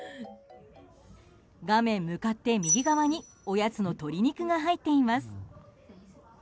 画面向かって右側におやつの鶏肉が入っています。